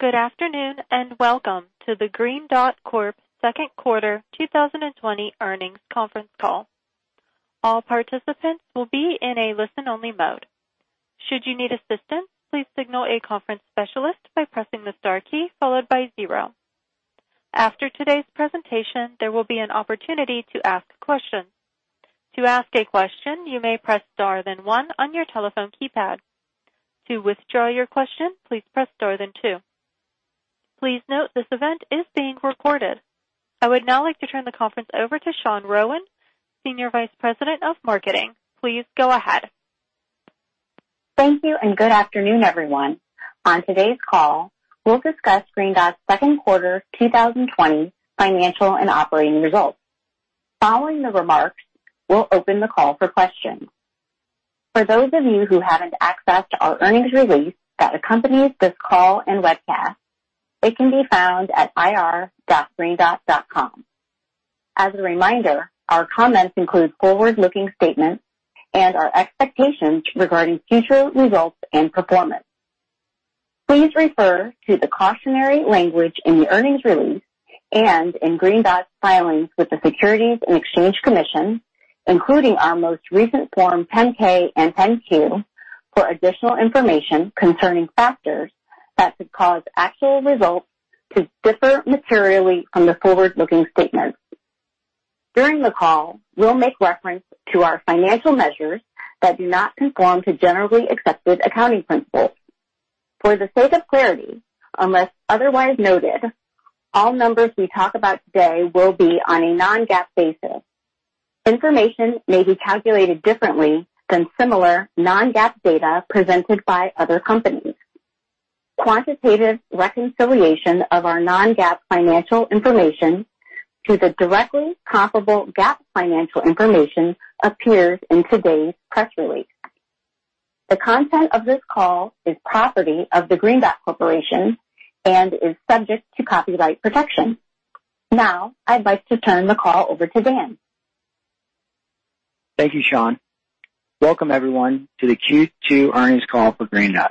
Good afternoon and welcome to the Green Dot Corporation second quarter 2020 earnings conference call. All participants will be in a listen-only mode. Should you need assistance, please signal a conference specialist by pressing the star key followed by zero. After today's presentation, there will be an opportunity to ask questions. To ask a question, you may press star then one on your telephone keypad. To withdraw your question, please press star then two. Please note this event is being recorded. I would now like to turn the conference over to Shaun Rowan, Senior Vice President of Marketing. Please go ahead. Thank you and good afternoon, everyone. On today's call, we'll discuss Green Dot's second quarter 2020 financial and operating results. Following the remarks, we'll open the call for questions. For those of you who haven't accessed our earnings release that accompanies this call and webcast, it can be found at ir.greendot.com. As a reminder, our comments include forward-looking statements and our expectations regarding future results and performance. Please refer to the cautionary language in the earnings release and in Green Dot's filings with the Securities and Exchange Commission, including our most recent Form 10-K and 10-Q, for additional information concerning factors that could cause actual results to differ materially from the forward-looking statements. During the call, we'll make reference to our financial measures that do not conform to generally accepted accounting principles. For the sake of clarity, unless otherwise noted, all numbers we talk about today will be on a non-GAAP basis. Information may be calculated differently than similar non-GAAP data presented by other companies. Quantitative reconciliation of our non-GAAP financial information to the directly comparable GAAP financial information appears in today's press release. The content of this call is property of Green Dot Corporation and is subject to copyright protection. Now, I'd like to turn the call over to Dan. Thank you, Shaun. Welcome, everyone, to the Q2 earnings call for Green Dot.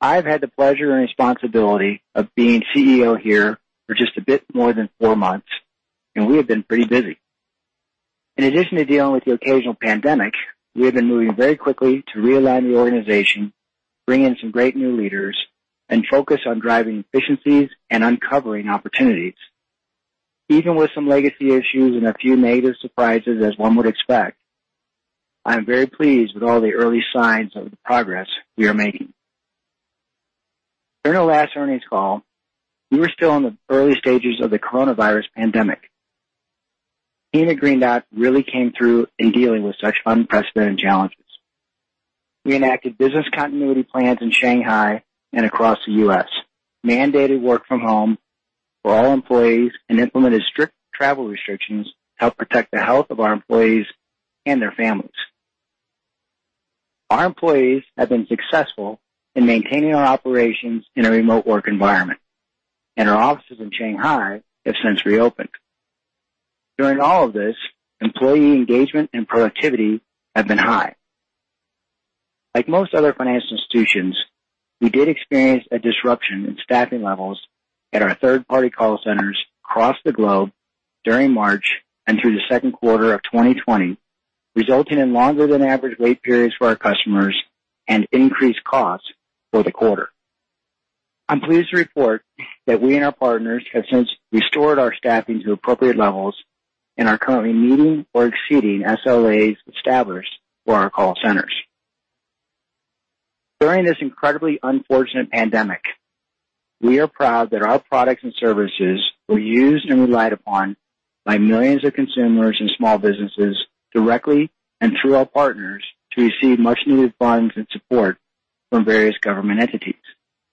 I've had the pleasure and responsibility of being CEO here for just a bit more than four months, and we have been pretty busy. In addition to dealing with the occasional pandemic, we have been moving very quickly to realign the organization, bring in some great new leaders, and focus on driving efficiencies and uncovering opportunities, even with some legacy issues and a few negative surprises, as one would expect. I'm very pleased with all the early signs of the progress we are making. During our last earnings call, we were still in the early stages of the coronavirus pandemic. Team at Green Dot really came through in dealing with such unprecedented challenges. We enacted business continuity plans in Shanghai and across the U.S., mandated work from home for all employees, and implemented strict travel restrictions to help protect the health of our employees and their families. Our employees have been successful in maintaining our operations in a remote work environment, and our offices in Shanghai have since reopened. During all of this, employee engagement and productivity have been high. Like most other financial institutions, we did experience a disruption in staffing levels at our third-party call centers across the globe during March and through the second quarter of 2020, resulting in longer-than-average wait periods for our customers and increased costs for the quarter. I'm pleased to report that we and our partners have since restored our staffing to appropriate levels and are currently meeting or exceeding SLAs established for our call centers. During this incredibly unfortunate pandemic, we are proud that our products and services were used and relied upon by millions of consumers and small businesses directly and through our partners to receive much-needed funds and support from various government entities,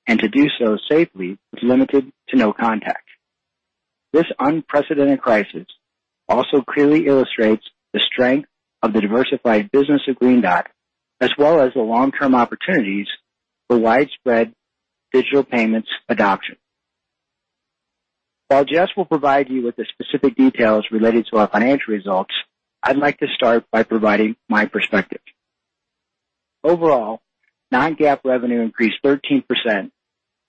and to do so safely with limited to no contact. This unprecedented crisis also clearly illustrates the strength of the diversified business of Green Dot, as well as the long-term opportunities for widespread digital payments adoption. While Jess will provide you with the specific details related to our financial results, I'd like to start by providing my perspective. Overall, non-GAAP revenue increased 13%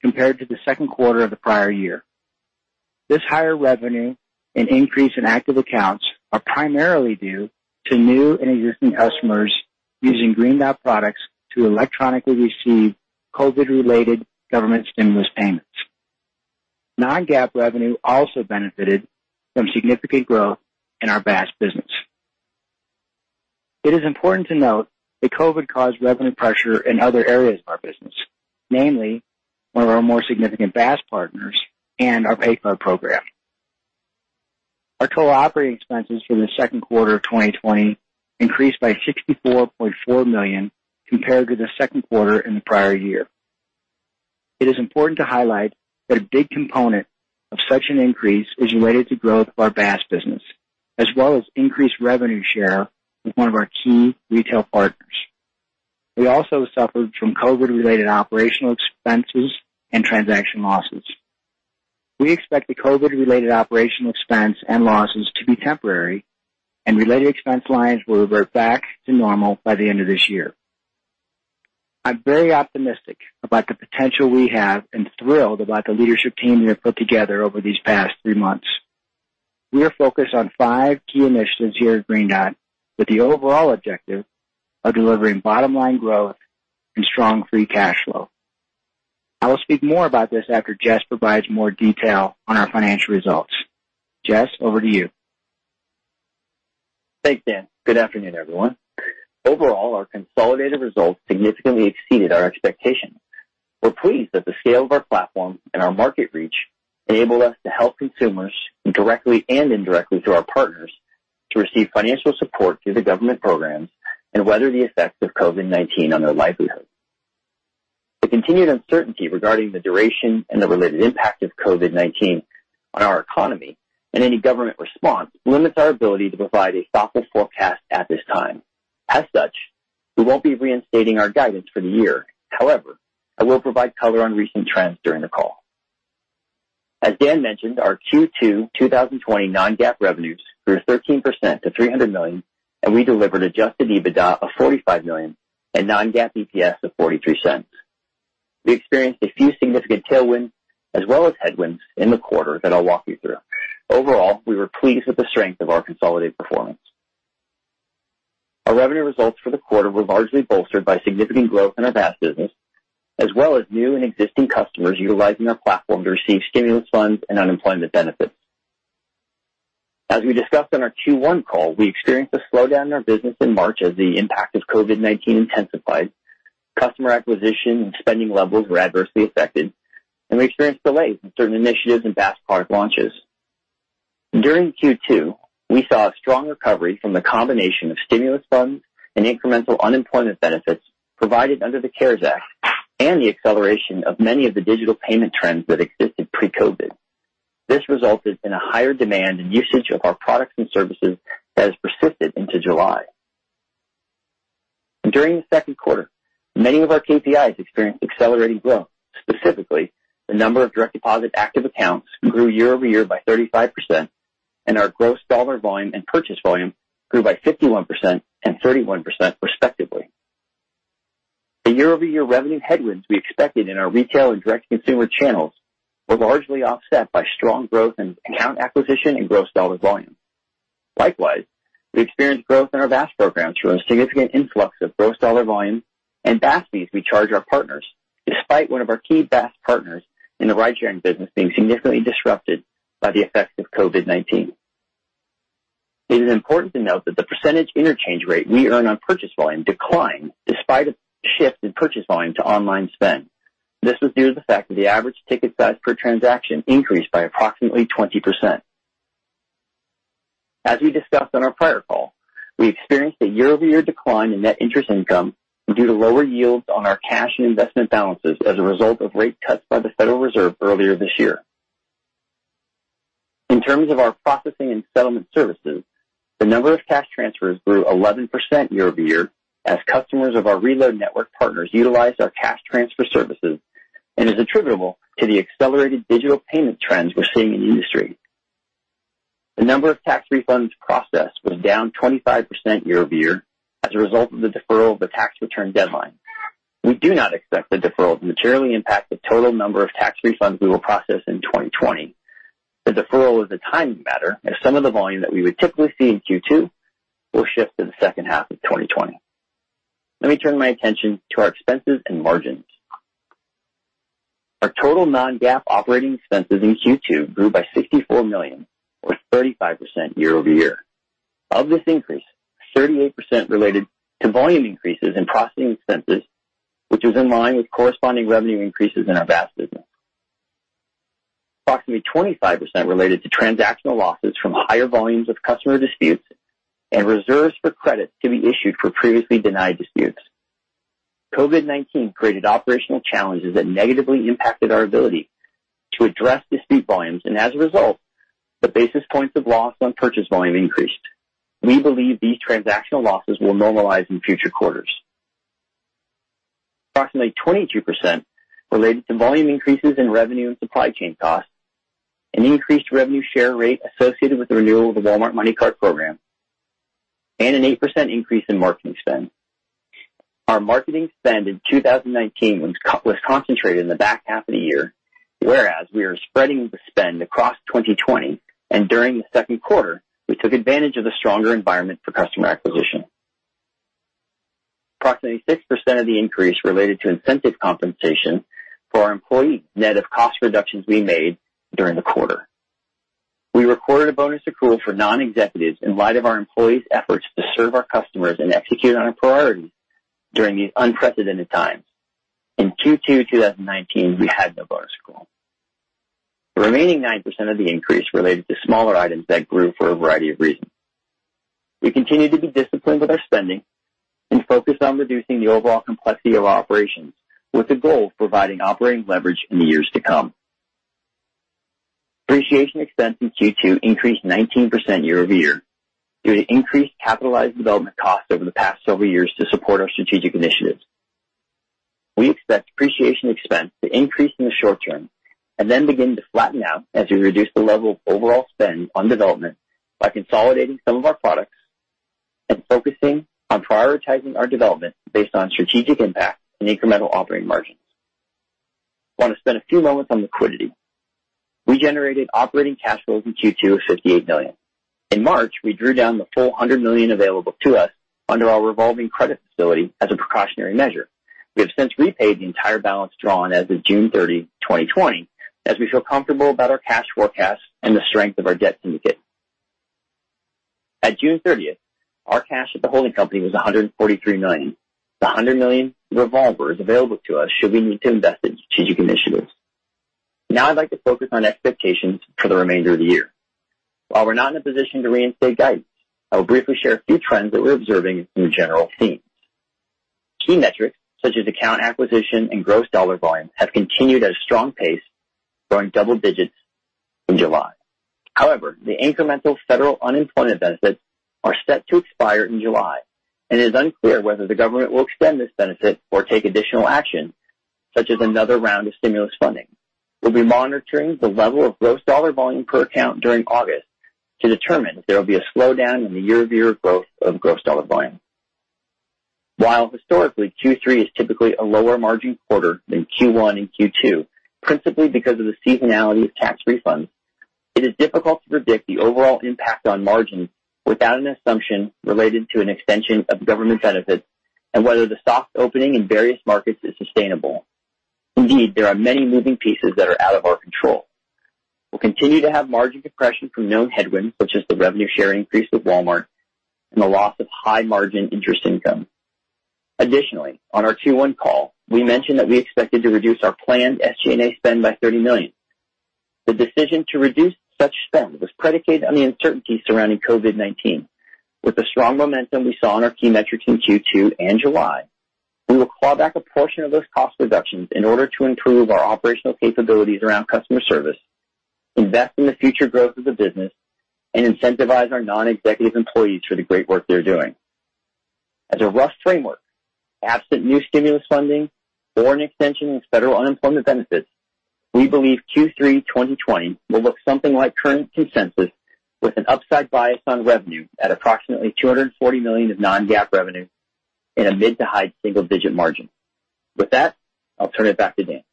compared to the second quarter of the prior year. This higher revenue and increase in active accounts are primarily due to new and existing customers using Green Dot products to electronically receive COVID-related government stimulus payments. Non-GAAP revenue also benefited from significant growth in our BaaS business. It is important to note that COVID caused revenue pressure in other areas of our business, namely one of our more significant BaaS partners and our PayPal program. Our total operating expenses for the second quarter of 2020 increased by $64.4 million compared to the second quarter in the prior year. It is important to highlight that a big component of such an increase is related to growth of our BaaS business, as well as increased revenue share with one of our key retail partners. We also suffered from COVID-related operational expenses and transaction losses. We expect the COVID-related operational expense and losses to be temporary, and related expense lines will revert back to normal by the end of this year. I'm very optimistic about the potential we have and thrilled about the leadership team we have put together over these past three months. We are focused on five key initiatives here at Green Dot, with the overall objective of delivering bottom-line growth and strong free cash flow. I will speak more about this after Jess provides more detail on our financial results. Jess, over to you. Thanks, Dan. Good afternoon, everyone. Overall, our consolidated results significantly exceeded our expectations. We're pleased that the scale of our platform and our market reach enabled us to help consumers, directly and indirectly through our partners, to receive financial support through the government programs and weather the effects of COVID-19 on their livelihood. The continued uncertainty regarding the duration and the related impact of COVID-19 on our economy and any government response limits our ability to provide a thoughtful forecast at this time. As such, we won't be reinstating our guidance for the year. However, I will provide color on recent trends during the call. As Dan mentioned, our Q2 2020 non-GAAP revenues grew 13% to $300 million, and we delivered adjusted EBITDA of $45 million and non-GAAP EPS of $0.43. We experienced a few significant tailwinds as well as headwinds in the quarter that I'll walk you through. Overall, we were pleased with the strength of our consolidated performance. Our revenue results for the quarter were largely bolstered by significant growth in our BaaS business, as well as new and existing customers utilizing our platform to receive stimulus funds and unemployment benefits. As we discussed on our Q1 call, we experienced a slowdown in our business in March as the impact of COVID-19 intensified. Customer acquisition and spending levels were adversely affected, and we experienced delays in certain initiatives and BaaS product launches. During Q2, we saw a strong recovery from the combination of stimulus funds and incremental unemployment benefits provided under the CARES Act and the acceleration of many of the digital payment trends that existed pre-COVID. This resulted in a higher demand and usage of our products and services that has persisted into July. During the second quarter, many of our KPIs experienced accelerating growth. Specifically, the number of direct deposit active accounts grew year over year by 35%, and our gross dollar volume and purchase volume grew by 51% and 31%, respectively. The year-over-year revenue headwinds we expected in our retail and direct-to-consumer channels were largely offset by strong growth in account acquisition and gross dollar volume. Likewise, we experienced growth in our BaaS programs from a significant influx of gross dollar volume and BaaS fees we charge our partners, despite one of our key BaaS partners in the ride-sharing business being significantly disrupted by the effects of COVID-19. It is important to note that the percentage interchange rate we earn on purchase volume declined despite a shift in purchase volume to online spend. This was due to the fact that the average ticket size per transaction increased by approximately 20%. As we discussed on our prior call, we experienced a year-over-year decline in net interest income due to lower yields on our cash and investment balances as a result of rate cuts by the Federal Reserve earlier this year. In terms of our processing and settlement services, the number of cash transfers grew 11% year over year as customers of our Reload Network partners utilized our cash transfer services, and it's attributable to the accelerated digital payment trends we're seeing in the industry. The number of tax refunds processed was down 25% year over year as a result of the deferral of the tax return deadline. We do not expect the deferral to materially impact the total number of tax refunds we will process in 2020. The deferral is a timing matter, as some of the volume that we would typically see in Q2 will shift to the second half of 2020. Let me turn my attention to our expenses and margins. Our total non-GAAP operating expenses in Q2 grew by $64 million, or 35% year over year. Of this increase, 38% related to volume increases in processing expenses, which is in line with corresponding revenue increases in our BaaS business. Approximately 25% related to transactional losses from higher volumes of customer disputes and reserves for credit to be issued for previously denied disputes. COVID-19 created operational challenges that negatively impacted our ability to address dispute volumes, and as a result, the basis points of loss on purchase volume increased. We believe these transactional losses will normalize in future quarters. Approximately 22% related to volume increases in revenue and supply chain costs, an increased revenue share rate associated with the renewal of the Walmart MoneyCard program, and an 8% increase in marketing spend. Our marketing spend in 2019 was concentrated in the back half of the year, whereas we are spreading the spend across 2020, and during the second quarter, we took advantage of the stronger environment for customer acquisition. Approximately 6% of the increase related to incentive compensation for our employees, net of cost reductions we made during the quarter. We recorded a bonus accrual for non-executives in light of our employees' efforts to serve our customers and execute on our priorities during these unprecedented times. In Q2 2019, we had no bonus accrual. The remaining 9% of the increase related to smaller items that grew for a variety of reasons. We continue to be disciplined with our spending and focus on reducing the overall complexity of our operations, with the goal of providing operating leverage in the years to come. Depreciation expense in Q2 increased 19% year over year due to increased capitalized development costs over the past several years to support our strategic initiatives. We expect depreciation expense to increase in the short term and then begin to flatten out as we reduce the level of overall spend on development by consolidating some of our products and focusing on prioritizing our development based on strategic impact and incremental operating margins. I want to spend a few moments on liquidity. We generated operating cash flows in Q2 of $58 million. In March, we drew down the full $100 million available to us under our revolving credit facility as a precautionary measure. We have since repaid the entire balance drawn as of June 30, 2020, as we feel comfortable about our cash forecast and the strength of our debt syndicate. At June 30th, our cash at the holding company was $143 million. The $100 million revolver is available to us should we need to invest in strategic initiatives. Now, I'd like to focus on expectations for the remainder of the year. While we're not in a position to reinstate guidance, I will briefly share a few trends that we're observing in the general themes. Key metrics such as account acquisition and gross dollar volume have continued at a strong pace, growing double digits in July. However, the incremental federal unemployment benefits are set to expire in July, and it is unclear whether the government will extend this benefit or take additional action, such as another round of stimulus funding. We'll be monitoring the level of gross dollar volume per account during August to determine if there will be a slowdown in the year-over-year growth of gross dollar volume. While historically, Q3 is typically a lower-margin quarter than Q1 and Q2, principally because of the seasonality of tax refunds, it is difficult to predict the overall impact on margins without an assumption related to an extension of government benefits and whether the soft opening in various markets is sustainable. Indeed, there are many moving pieces that are out of our control. We'll continue to have margin compression from known headwinds, such as the revenue share increase with Walmart and the loss of high-margin interest income. Additionally, on our Q1 call, we mentioned that we expected to reduce our planned SG&A spend by $30 million. The decision to reduce such spend was predicated on the uncertainty surrounding COVID-19. With the strong momentum we saw in our key metrics in Q2 and July, we will claw back a portion of those cost reductions in order to improve our operational capabilities around customer service, invest in the future growth of the business, and incentivize our non-executive employees for the great work they're doing. As a rough framework, absent new stimulus funding or an extension of federal unemployment benefits, we believe Q3 2020 will look something like current consensus, with an upside bias on revenue at approximately $240 million of non-GAAP revenue in a mid-to-high single-digit margin. With that, I'll turn it back to Dan.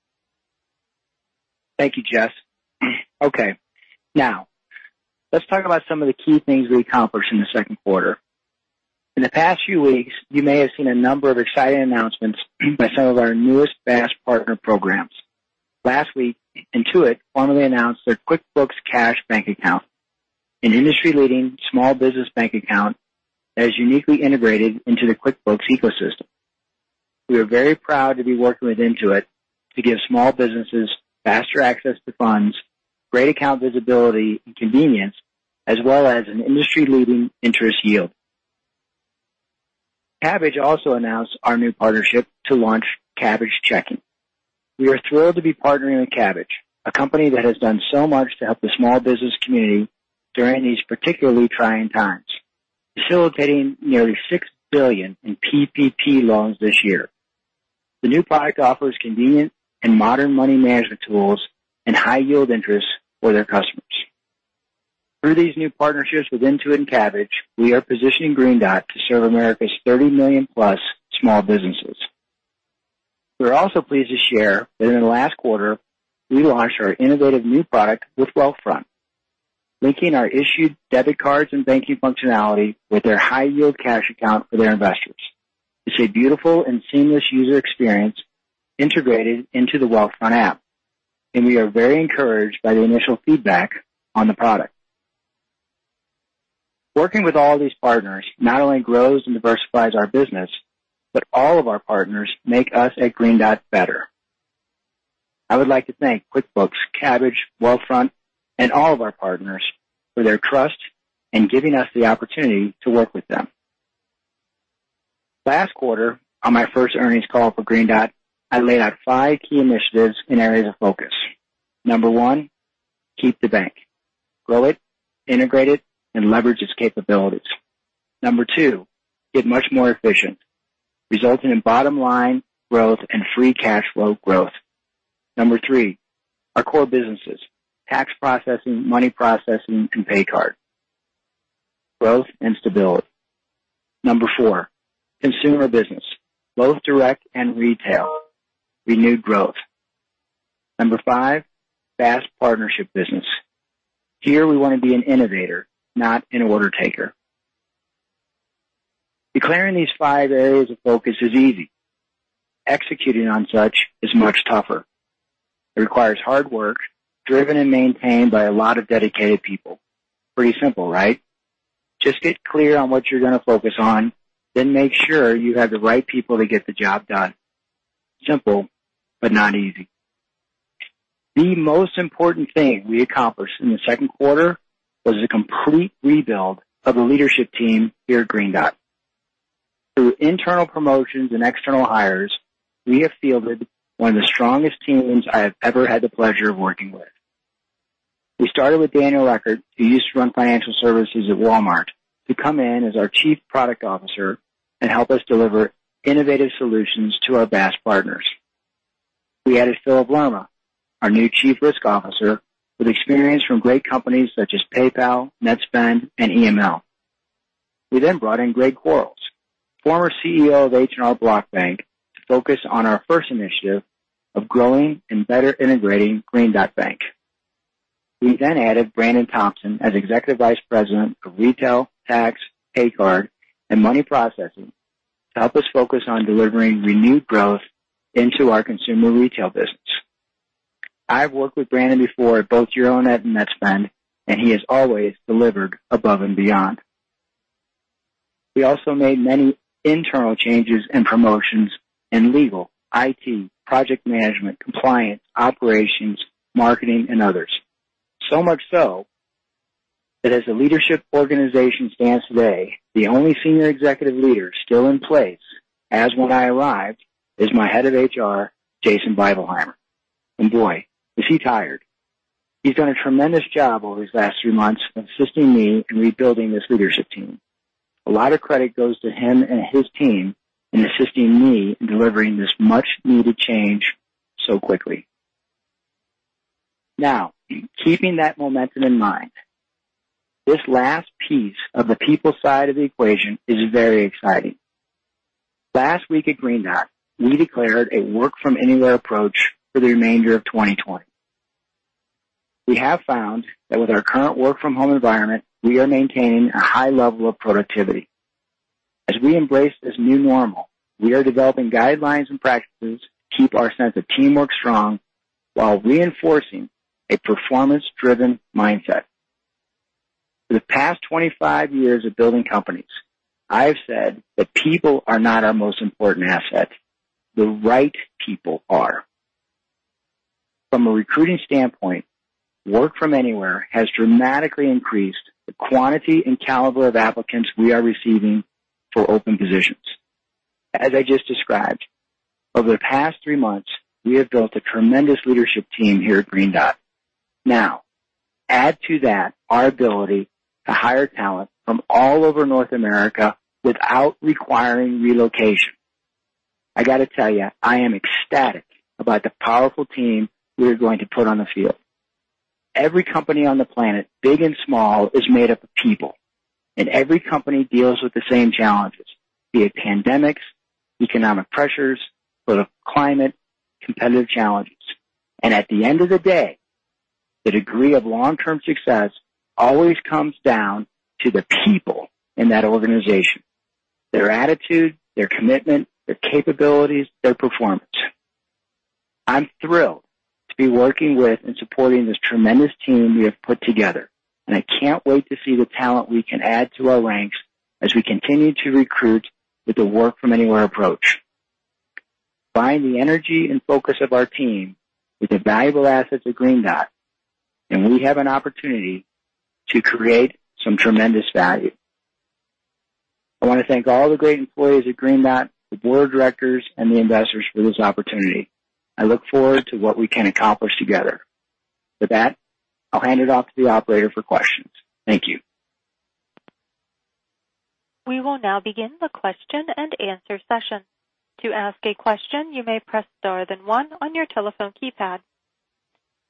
Thank you, Jess. Okay. Now, let's talk about some of the key things we accomplished in the second quarter. In the past few weeks, you may have seen a number of exciting announcements by some of our newest BaaS partner programs. Last week, Intuit formally announced their QuickBooks Cash bank account, an industry-leading small business bank account that is uniquely integrated into the QuickBooks ecosystem. We are very proud to be working with Intuit to give small businesses faster access to funds, great account visibility and convenience, as well as an industry-leading interest yield. Kabbage also announced our new partnership to launch Kabbage Checking. We are thrilled to be partnering with Kabbage, a company that has done so much to help the small business community during these particularly trying times, facilitating nearly $6 billion in PPP loans this year. The new product offers convenient and modern money management tools and high-yield interest for their customers. Through these new partnerships with Intuit and Kabbage, we are positioning Green Dot to serve America's 30+ million small businesses. We're also pleased to share that in the last quarter, we launched our innovative new product with Wealthfront, linking our issued debit cards and banking functionality with their high-yield cash account for their investors. It's a beautiful and seamless user experience integrated into the Wealthfront app, and we are very encouraged by the initial feedback on the product. Working with all these partners not only grows and diversifies our business, but all of our partners make us at Green Dot better. I would like to thank QuickBooks, Kabbage, Wealthfront, and all of our partners for their trust and giving us the opportunity to work with them. Last quarter, on my first earnings call for Green Dot, I laid out five key initiatives in areas of focus. Number one, keep the bank. Grow it, integrate it, and leverage its capabilities. Number two, get much more efficient, resulting in bottom-line growth and free cash flow growth. Number three, our core businesses: tax processing, money processing, and pay card. Growth and stability. Number four, consumer business, both direct and retail. Renewed growth. Number five, BaaS partnership business. Here, we want to be an innovator, not an order taker. Declaring these five areas of focus is easy. Executing on such is much tougher. It requires hard work, driven and maintained by a lot of dedicated people. Pretty simple, right? Just get clear on what you're going to focus on, then make sure you have the right people to get the job done. Simple, but not easy. The most important thing we accomplished in the second quarter was a complete rebuild of the leadership team here at Green Dot. Through internal promotions and external hires, we have fielded one of the strongest teams I have ever had the pleasure of working with. We started with Daniel Eckert, who used to run financial services at Walmart, to come in as our Chief Product Officer and help us deliver innovative solutions to our BaaS partners. We added Philip Lerma, our new Chief Risk Officer, with experience from great companies such as PayPal, Netspend, and EML. We then brought in Greg Quarles, former CEO of H&R Block Bank, to focus on our first initiative of growing and better integrating Green Dot Bank. We then added Brandon Thompson as Executive Vice President of Retail, Tax, PayCard, and Money Processing to help us focus on delivering renewed growth into our consumer retail business. I've worked with Brandon before at both Euronet and Netspend, and he has always delivered above and beyond. We also made many internal changes and promotions in legal, IT, project management, compliance, operations, marketing, and others. As the leadership organization stands today, the only senior executive leader still in place as when I arrived is my Head of HR, Jason Bibelheimer. And boy, is he tired? He's done a tremendous job over these last three months of assisting me in rebuilding this leadership team. A lot of credit goes to him and his team in assisting me in delivering this much-needed change so quickly. Now, keeping that momentum in mind, this last piece of the people side of the equation is very exciting. Last week at Green Dot, we declared a work-from-anywhere approach for the remainder of 2020. We have found that with our current work-from-home environment, we are maintaining a high level of productivity. As we embrace this new normal, we are developing guidelines and practices to keep our sense of teamwork strong while reinforcing a performance-driven mindset. For the past 25 years of building companies, I have said that people are not our most important asset. The right people are. From a recruiting standpoint, work-from-anywhere has dramatically increased the quantity and caliber of applicants we are receiving for open positions. As I just described, over the past three months, we have built a tremendous leadership team here at Green Dot. Now, add to that our ability to hire talent from all over North America without requiring relocation. I got to tell you, I am ecstatic about the powerful team we are going to put on the field. Every company on the planet, big and small, is made up of people, and every company deals with the same challenges, be it pandemics, economic pressures, political climate, competitive challenges. At the end of the day, the degree of long-term success always comes down to the people in that organization: their attitude, their commitment, their capabilities, their performance. I'm thrilled to be working with and supporting this tremendous team we have put together, and I can't wait to see the talent we can add to our ranks as we continue to recruit with the work-from-anywhere approach. By the energy and focus of our team, with the valuable assets of Green Dot, we have an opportunity to create some tremendous value. I want to thank all the great employees at Green Dot, the Board of Directors, and the investors for this opportunity. I look forward to what we can accomplish together. With that, I'll hand it off to the operator for questions. Thank you. We will now begin the question and answer session. To ask a question, you may press star then one on your telephone keypad.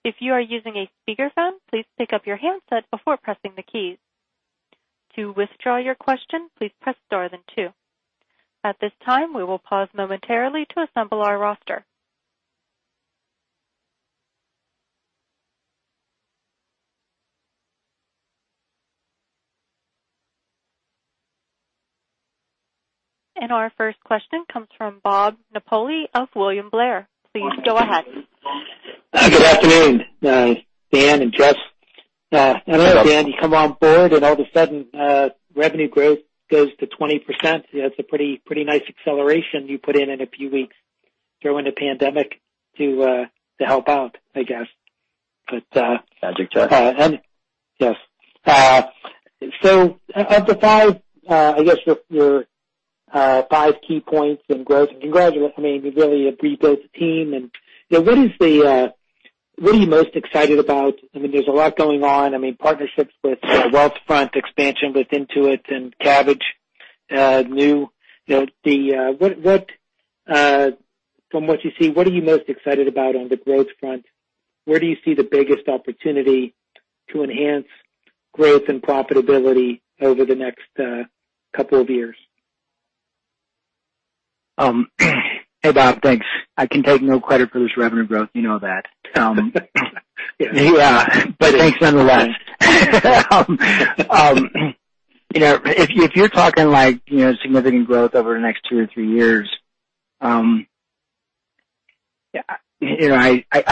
If you are using a speakerphone, please pick up your handset before pressing the keys. To withdraw your question, please press star then two. At this time, we will pause momentarily to assemble our roster. Our first question comes from Bob Napoli of William Blair. Please go ahead. Good afternoon, Dan and Jess. I don't know, Dan, you come on board and all of a sudden, revenue growth goes to 20%. That's a pretty nice acceleration you put in in a few weeks during the pandemic to help out, I guess. Magic time. Yes. Of the five, I guess, your five key points in growth, congratulations. I mean, you really have rebuilt the team. What are you most excited about? I mean, there's a lot going on. I mean, partnerships with Wealthfront, expansion with Intuit, and Kabbage, new. From what you see, what are you most excited about on the growth front? Where do you see the biggest opportunity to enhance growth and profitability over the next couple of years? Hey, Bob, thanks. I can take no credit for this revenue growth. You know that. Yeah. Thanks nonetheless. If you're talking significant growth over the next two or three years, I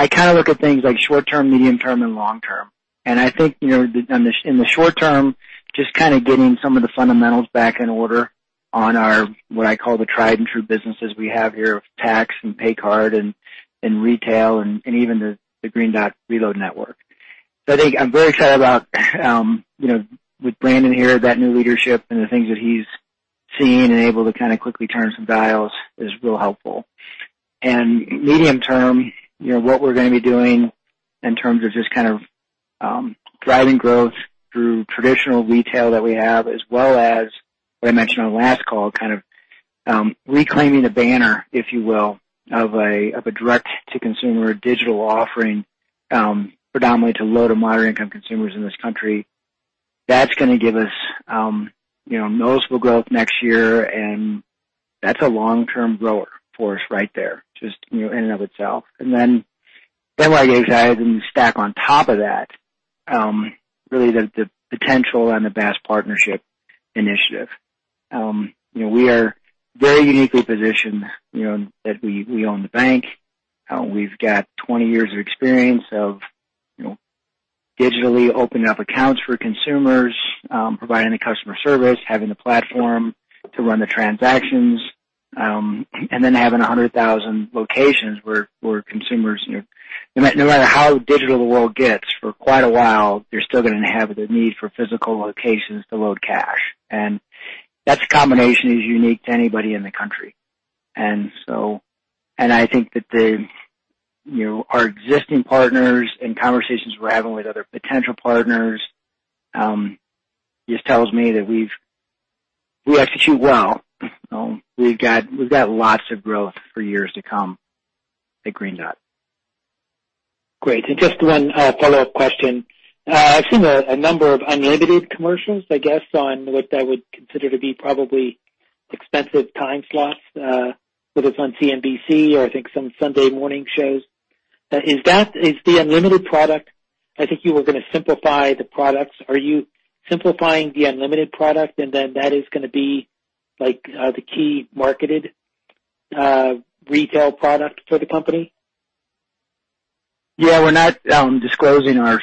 kind of look at things like short-term, medium-term, and long-term. I think in the short term, just kind of getting some of the fundamentals back in order on our what I call the tried-and-true businesses we have here of tax and pay card and retail and even the Green Dot Reload Network. I think I'm very excited about with Brandon here, that new leadership and the things that he's seeing and able to kind of quickly turn some dials is real helpful. Medium term, what we're going to be doing in terms of just kind of driving growth through traditional retail that we have, as well as what I mentioned on the last call, kind of reclaiming the banner, if you will, of a direct-to-consumer digital offering predominantly to low- to moderate-income consumers in this country. That's going to give us noticeable growth next year, and that's a long-term grower for us right there, just in and of itself. What I get excited and stack on top of that, really the potential and the BaaS partnership initiative. We are very uniquely positioned that we own the bank. We've got 20 years of experience of digitally opening up accounts for consumers, providing the customer service, having the platform to run the transactions, and then having 100,000 locations where consumers, no matter how digital the world gets, for quite a while, they're still going to have the need for physical locations to load cash. That combination is unique to anybody in the country. I think that our existing partners and conversations we're having with other potential partners just tells me that we execute well. We've got lots of growth for years to come at Green Dot. Great. Just one follow-up question. I've seen a number of Unlimited commercials, I guess, on what I would consider to be probably expensive time slots with us on CNBC or I think some Sunday morning shows. Is the Unlimited product, I think you were going to simplify the products. Are you simplifying the Unlimited product, and then that is going to be the key marketed retail product for the company? Yeah. We're not disclosing our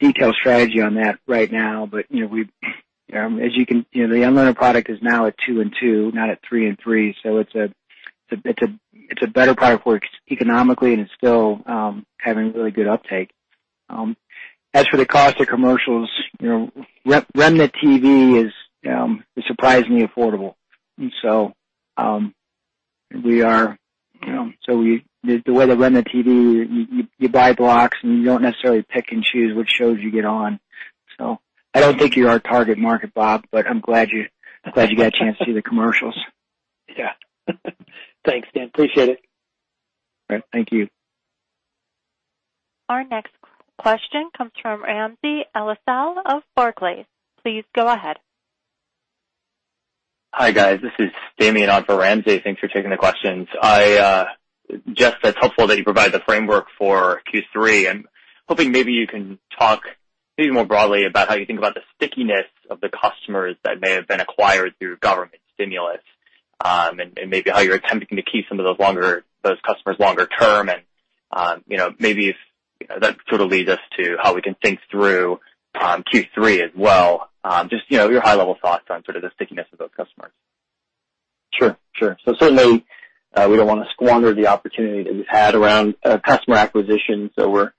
detailed strategy on that right now, but as you can, the Unlimited product is now at two and two, not at three and three. So it's a better product for us economically, and it's still having really good uptake. As for the cost of commercials, to run a TV is surprisingly affordable. The way we run the TV, you buy blocks and you don't necessarily pick and choose which shows you get on. I don't think you're our target market, Bob, but I'm glad you got a chance to see the commercials. Yeah. Thanks, Dan. Appreciate it. All right. Thank you. Our next question comes from Ramsey El-Assal of Barclays. Please go ahead. Hi, guys. This is Damian on for Ramsey. Thanks for taking the questions. Jess, it's helpful that you provide the framework for Q3. I'm hoping maybe you can talk maybe more broadly about how you think about the stickiness of the customers that may have been acquired through government stimulus and maybe how you're attempting to keep some of those customers longer term. Maybe that sort of leads us to how we can think through Q3 as well. Just your high-level thoughts on sort of the stickiness of those customers. Sure. Sure. Certainly, we do not want to squander the opportunity that we have had around customer acquisition. We are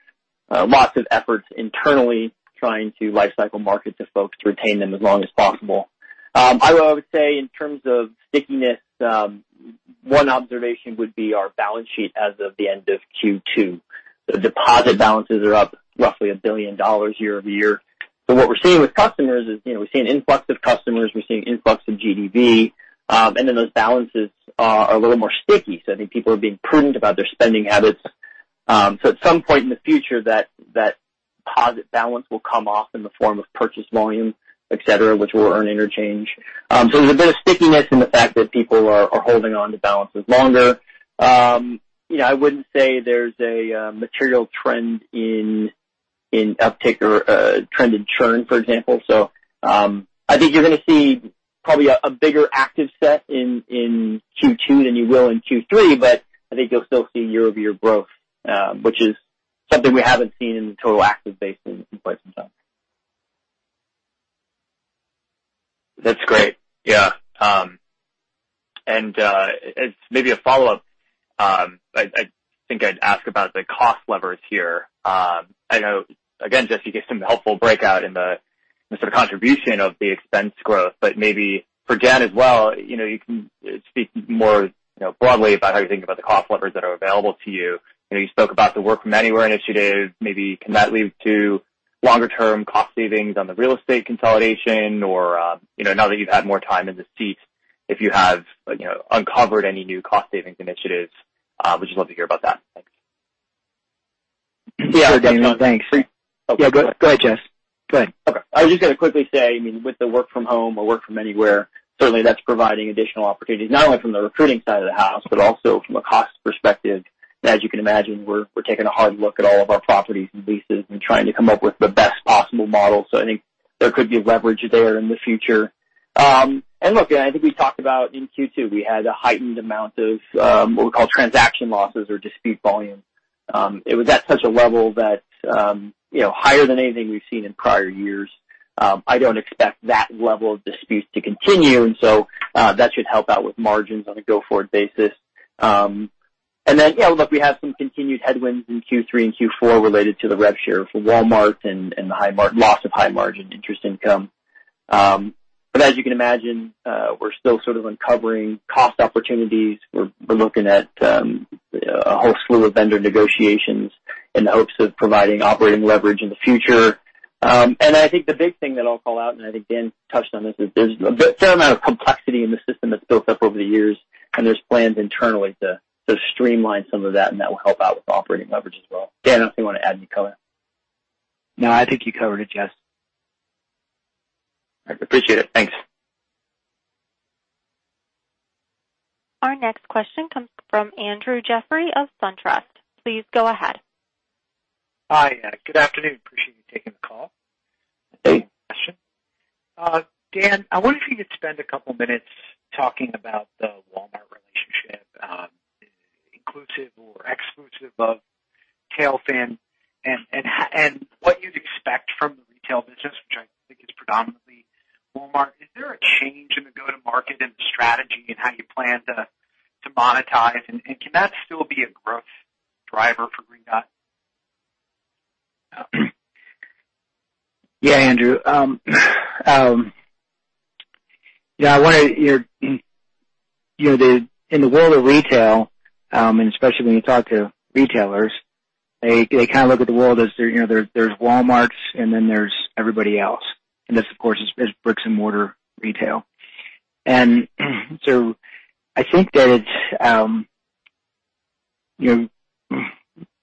putting lots of efforts internally trying to lifecycle market to folks to retain them as long as possible. I would say in terms of stickiness, one observation would be our balance sheet as of the end of Q2. The deposit balances are up roughly $1 billion year over year. What we are seeing with customers is we see an influx of customers. We are seeing an influx of GDV. Those balances are a little more sticky. I think people are being prudent about their spending habits. At some point in the future, that deposit balance will come off in the form of purchase volume, etc., which will earn interchange. There is a bit of stickiness in the fact that people are holding on to balances longer. I wouldn't say there's a material trend in uptick or trend in churn, for example. I think you're going to see probably a bigger active set in Q2 than you will in Q3, but I think you'll still see year-over-year growth, which is something we haven't seen in the total active base in quite some time. That's great. Yeah. Maybe a follow-up, I think I'd ask about the cost levers here. I know, again, Jess, you gave some helpful breakout in the sort of contribution of the expense growth, but maybe for Dan as well, you can speak more broadly about how you think about the cost levers that are available to you. You spoke about the work-from-anywhere initiative. Maybe can that lead to longer-term cost savings on the real estate consolidation? Now that you've had more time in the seat, if you have uncovered any new cost savings initiatives, we'd just love to hear about that. Thanks. Yeah. Thanks. Yeah. Go ahead, Jess. Go ahead. Okay. I was just going to quickly say, I mean, with the work-from-home or work-from-anywhere, certainly that's providing additional opportunities, not only from the recruiting side of the house, but also from a cost perspective. As you can imagine, we're taking a hard look at all of our properties and leases and trying to come up with the best possible model. I think there could be leverage there in the future. I think we talked about in Q2, we had a heightened amount of what we call transaction losses or dispute volume. It was at such a level that higher than anything we've seen in prior years. I don't expect that level of disputes to continue. That should help out with margins on a go-forward basis. Yeah, look, we have some continued headwinds in Q3 and Q4 related to the rev share for Walmart and the loss of high-margin interest income. As you can imagine, we're still sort of uncovering cost opportunities. We're looking at a whole slew of vendor negotiations in the hopes of providing operating leverage in the future. I think the big thing that I'll call out, and I think Dan touched on this, is there's a fair amount of complexity in the system that's built up over the years, and there's plans internally to streamline some of that, and that will help out with operating leverage as well. Dan, I don't know if you want to add any color. No, I think you covered it, Jess. All right. Appreciate it. Thanks. Our next question comes from Andrew Jeffrey of SunTrust. Please go ahead. Hi. Good afternoon. Appreciate you taking the call. Hey. Dan, I wonder if you could spend a couple of minutes talking about the Walmart relationship, inclusive or exclusive of TailFin, and what you'd expect from the retail business, which I think is predominantly Walmart. Is there a change in the go-to-market and the strategy and how you plan to monetize? Can that still be a growth driver for Green Dot? Yeah, Andrew. Yeah. I want to, in the world of retail, and especially when you talk to retailers, they kind of look at the world as there's Walmart, and then there's everybody else. This, of course, is bricks and mortar retail. I think that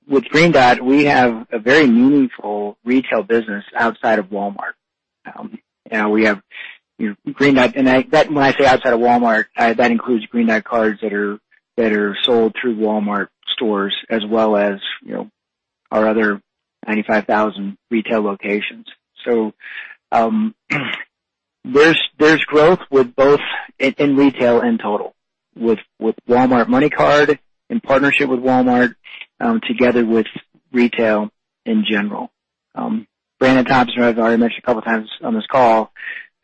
with Green Dot, we have a very meaningful retail business outside of Walmart. We have Green Dot. When I say outside of Walmart, that includes Green Dot cards that are sold through Walmart stores as well as our other 95,000 retail locations. There is growth in retail in total with Walmart MoneyCard in partnership with Walmart together with retail in general. Brandon Thompson, who I've already mentioned a couple of times on this call,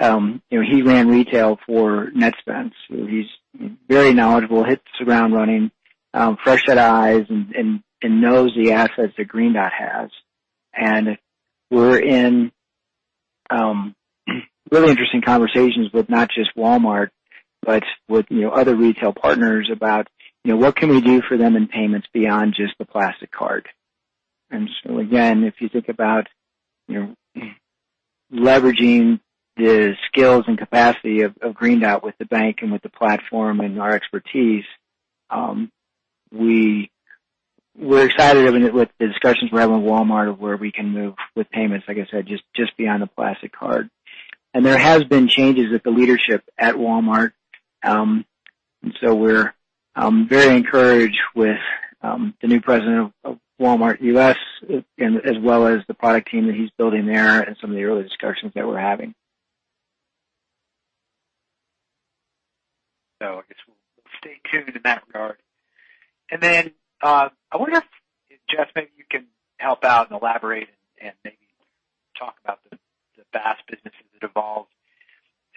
he ran retail for Netspend. He's very knowledgeable, hit the ground running, fresh set of eyes, and knows the assets that Green Dot has. We're in really interesting conversations with not just Walmart, but with other retail partners about what we can do for them in payments beyond just the plastic card. If you think about leveraging the skills and capacity of Green Dot with the bank and with the platform and our expertise, we're excited with the discussions we're having with Walmart of where we can move with payments, like I said, just beyond the plastic card. There have been changes at the leadership at Walmart. We're very encouraged with the new President of Walmart U.S., as well as the product team that he's building there and some of the early discussions that we're having. I guess we'll stay tuned in that regard. I wonder if, Jess, maybe you can help out and elaborate and maybe talk about the BaaS businesses that evolved.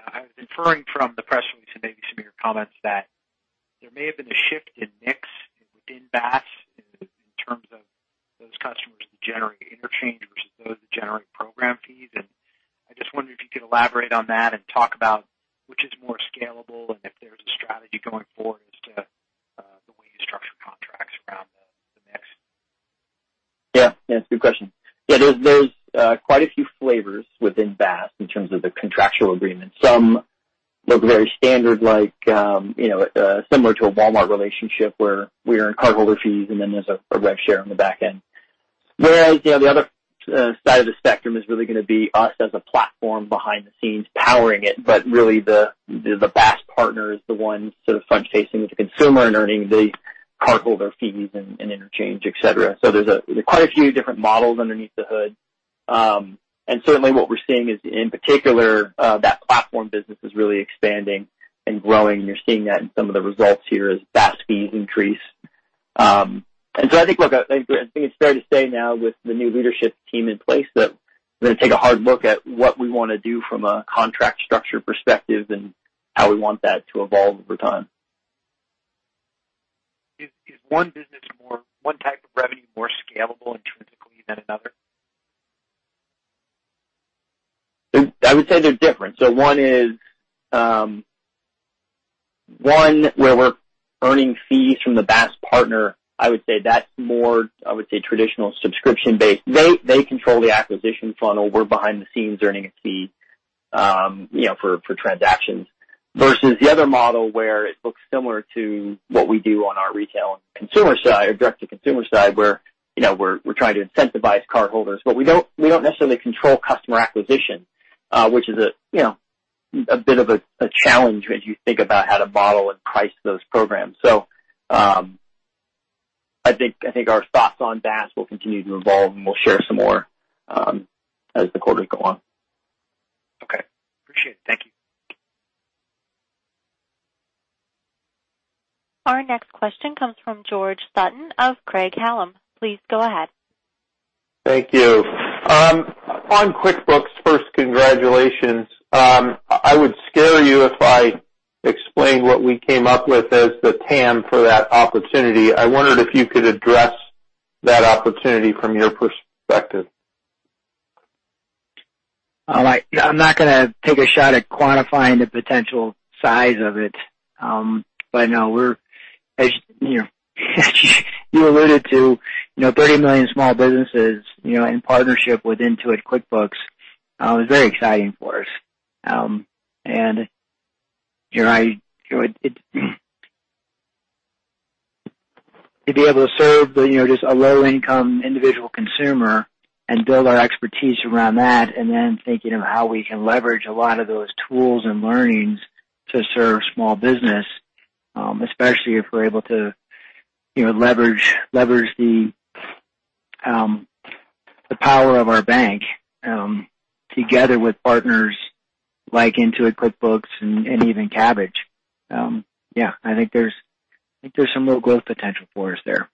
I was inferring from the press release and maybe some of your comments that there may have been a shift in mix within BaaS in terms of those customers that generate interchange versus those that generate program fees. I just wondered if you could elaborate on that and talk about which is more scalable and if there's a strategy going forward as to the way you structure contracts around the mix. Yeah. Yeah. That's a good question. Yeah. There's quite a few flavors within BaaS in terms of the contractual agreement. Some look very standard like similar to a Walmart relationship where we earn cardholder fees, and then there's a rev share on the back end. Whereas the other side of the spectrum is really going to be us as a platform behind the scenes powering it, but really the BaaS partner is the one sort of front-facing with the consumer and earning the cardholder fees and interchange, etc. There's quite a few different models underneath the hood. Certainly what we're seeing is, in particular, that platform business is really expanding and growing. You're seeing that in some of the results here as BaaS fees increase. I think it's fair to say now with the new leadership team in place that we're going to take a hard look at what we want to do from a contract structure perspective and how we want that to evolve over time. Is one business more one type of revenue more scalable intrinsically than another? I would say they're different. One is one where we're earning fees from the BaaS partner. I would say that's more, I would say, traditional subscription-based. They control the acquisition funnel. We're behind the scenes earning a fee for transactions versus the other model where it looks similar to what we do on our retail and consumer side or direct-to-consumer side where we're trying to incentivize cardholders, but we don't necessarily control customer acquisition, which is a bit of a challenge as you think about how to model and price those programs. I think our thoughts on BaaS will continue to evolve, and we'll share some more as the quarters go on. Okay. Appreciate it. Thank you. Our next question comes from George Sutton of Craig-Hallum. Please go ahead. Thank you. On QuickBooks, first, congratulations. I would scare you if I explained what we came up with as the TAM for that opportunity. I wondered if you could address that opportunity from your perspective. All right. I'm not going to take a shot at quantifying the potential size of it. No, as you alluded to, 30 million small businesses in partnership with Intuit QuickBooks is very exciting for us. To be able to serve just a low-income individual consumer and build our expertise around that, and then thinking of how we can leverage a lot of those tools and learnings to serve small business, especially if we're able to leverage the power of our bank together with partners like Intuit QuickBooks and even Kabbage. Yeah. I think there's some real growth potential for us there.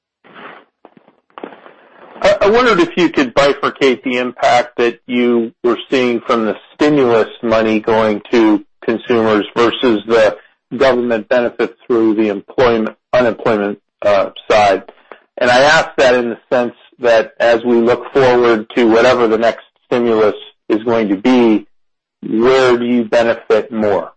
I wondered if you could bifurcate the impact that you were seeing from the stimulus money going to consumers versus the government benefits through the unemployment side. I ask that in the sense that as we look forward to whatever the next stimulus is going to be, where do you benefit more?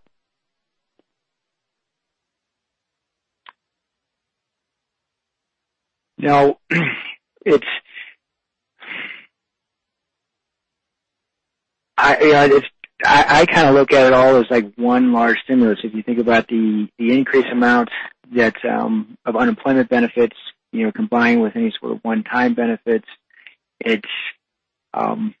Yeah. I kind of look at it all as one large stimulus. If you think about the increased amount of unemployment benefits combined with any sort of one-time benefits, it's all,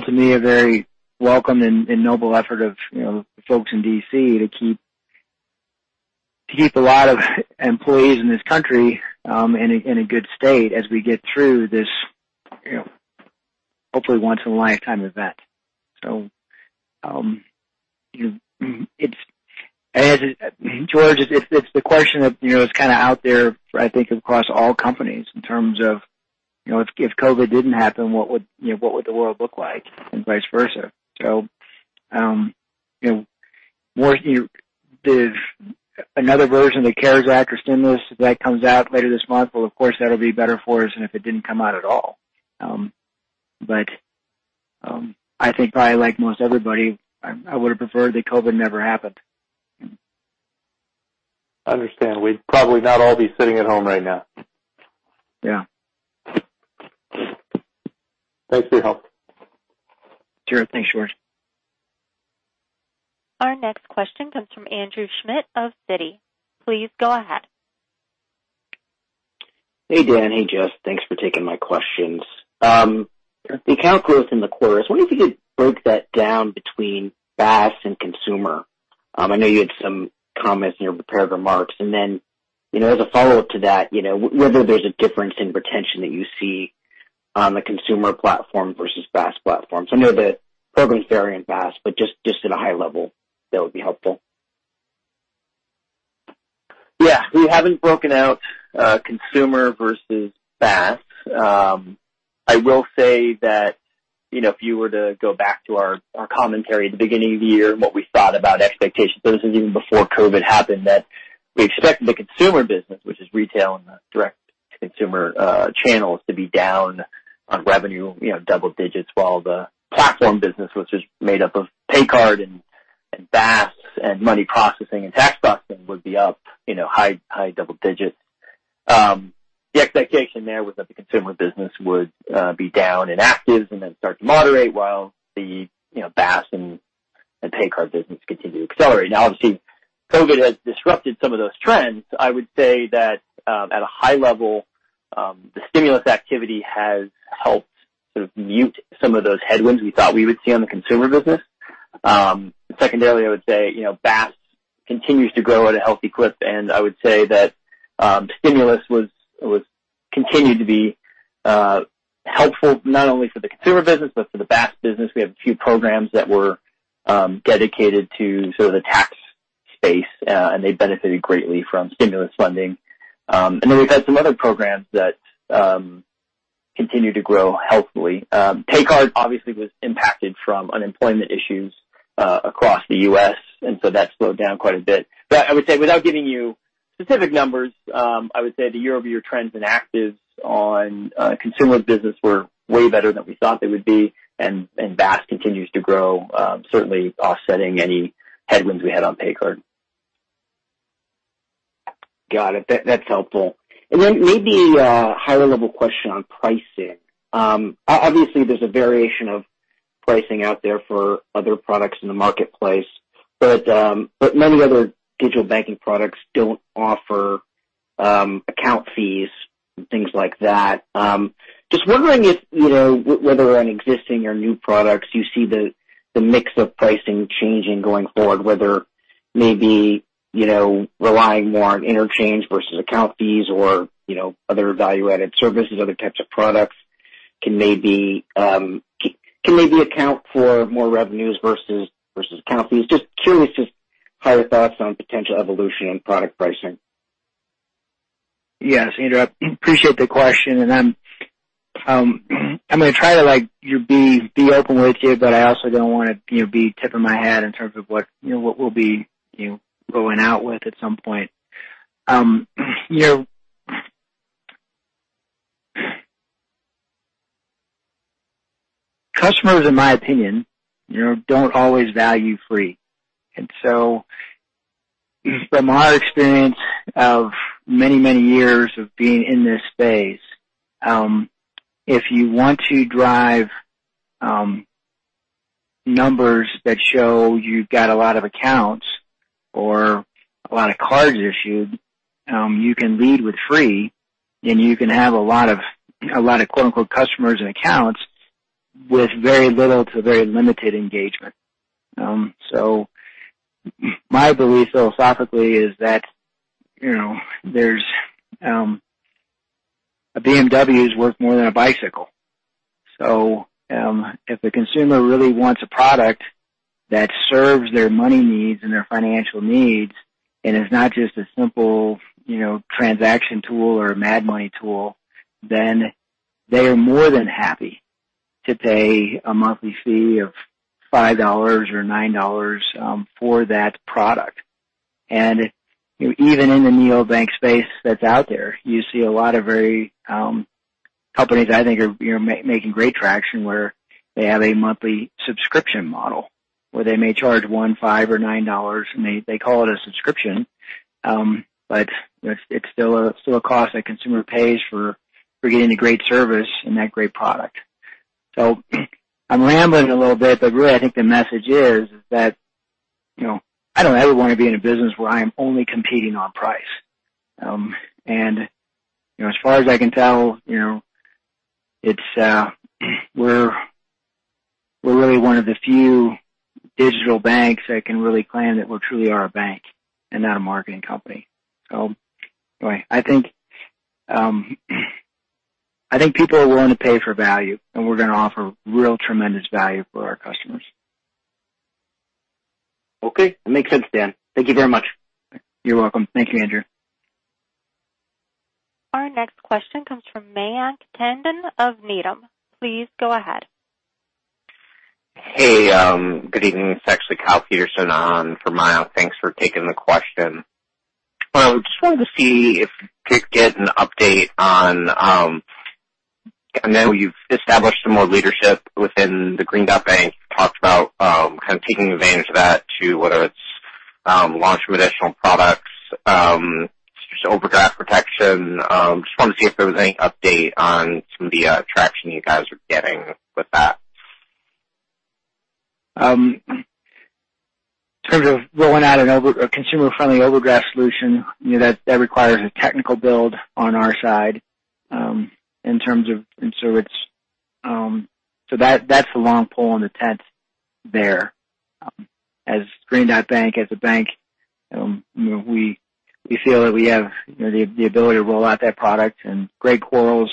to me, a very welcome and noble effort of the folks in D.C. to keep a lot of employees in this country in a good state as we get through this hopefully once-in-a-lifetime event. George, it's the question that is kind of out there, I think, across all companies in terms of if COVID didn't happen, what would the world look like and vice versa? Another version of the CARES Act or stimulus that comes out later this month, of course, that'll be better for us than if it didn't come out at all. I think probably like most everybody, I would have preferred that COVID never happened. I understand. We'd probably not all be sitting at home right now. Yeah. Thanks for your help. Sure. Thanks, George. Our next question comes from Andrew Schmidt of Citi. Please go ahead. Hey, Dan. Hey, Jess. Thanks for taking my questions. The account growth in the quarters, I wonder if you could break that down between BaaS and consumer. I know you had some comments in your prepared remarks. As a follow-up to that, whether there's a difference in retention that you see on the consumer platform versus BaaS platform. I know the programs vary in BaaS, but just at a high level, that would be helpful. Yeah. We haven't broken out consumer versus BaaS. I will say that if you were to go back to our commentary at the beginning of the year and what we thought about expectations, this was even before COVID happened, that we expected the consumer business, which is retail and the direct-to-consumer channels, to be down on revenue double digits, while the platform business, which is made up of PayCard and BaaS and money processing and tax processing, would be up high double digits. The expectation there was that the consumer business would be down in actives and then start to moderate while the BaaS and PayCard business continue to accelerate. Now, obviously, COVID has disrupted some of those trends. I would say that at a high level, the stimulus activity has helped sort of mute some of those headwinds we thought we would see on the consumer business. Secondarily, I would say BaaS continues to grow at a healthy clip. I would say that stimulus continued to be helpful not only for the consumer business, but for the BaaS business. We have a few programs that were dedicated to sort of the tax space, and they benefited greatly from stimulus funding. We have had some other programs that continue to grow healthily. PayCard, obviously, was impacted from unemployment issues across the U.S., and that slowed down quite a bit. I would say without giving you specific numbers, the year-over-year trends in actives on consumer business were way better than we thought they would be, and BaaS continues to grow, certainly offsetting any headwinds we had on PayCard. Got it. That's helpful. Maybe a higher-level question on pricing. Obviously, there's a variation of pricing out there for other products in the marketplace, but many other digital banking products don't offer account fees and things like that. Just wondering if whether on existing or new products, you see the mix of pricing changing going forward, whether maybe relying more on interchange versus account fees or other value-added services, other types of products can maybe account for more revenues versus account fees. Just curious, just higher thoughts on potential evolution in product pricing. Yes. Andrew, I appreciate the question. I'm going to try to be open with you, but I also don't want to be tipping my hat in terms of what we'll be rolling out with at some point. Customers, in my opinion, don't always value free. From our experience of many, many years of being in this space, if you want to drive numbers that show you've got a lot of accounts or a lot of cards issued, you can lead with free, and you can have a lot of "customers" and accounts with very little to very limited engagement. My belief philosophically is that a BMW is worth more than a bicycle. If a consumer really wants a product that serves their money needs and their financial needs and is not just a simple transaction tool or a mad money tool, then they are more than happy to pay a monthly fee of $5 or $9 for that product. Even in the neobank space that's out there, you see a lot of very companies I think are making great traction where they have a monthly subscription model where they may charge $1, $5, or $9, and they call it a subscription, but it's still a cost that consumer pays for getting a great service and that great product. I'm rambling a little bit, but really I think the message is that I don't ever want to be in a business where I am only competing on price. As far as I can tell, we're really one of the few digital banks that can really claim that we truly are a bank and not a marketing company. Anyway, I think people are willing to pay for value, and we're going to offer real tremendous value for our customers. Okay. That makes sense, Dan. Thank you very much. You're welcome. Thank you, Andrew. Our next question comes from Mayank Tandon of Needham. Please go ahead. Hey. Good evening. It's actually Kyle Peterson on for Mayank. Thanks for taking the question. I just wanted to see if you could get an update on I know you've established some more leadership within the Green Dot Bank. You talked about kind of taking advantage of that too, whether it's launching additional products, just overdraft protection. Just wanted to see if there was any update on some of the traction you guys are getting with that. In terms of rolling out a consumer-friendly overdraft solution, that requires a technical build on our side in terms of so that's the long pull on the tent there. As Green Dot Bank, as a bank, we feel that we have the ability to roll out that product. And Greg Quarles,